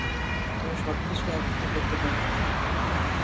তুমি সব কিছু এক দিনে করতে পারবে না!